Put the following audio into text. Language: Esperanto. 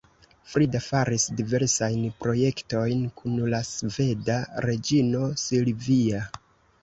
Frida faris diversajn projektojn kun la sveda reĝino Silvia.